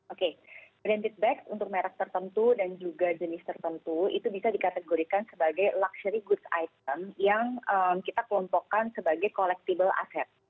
oke branded back untuk merek tertentu dan juga jenis tertentu itu bisa dikategorikan sebagai luxury goods item yang kita kelompokkan sebagai collectible asset